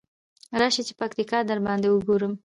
راشی چی پکتيا درباندې وګورم.